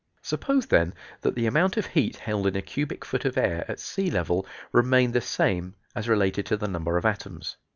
Suppose, then, that the amount of heat held in a cubic foot of air at sea level remained the same, as related to the number of atoms.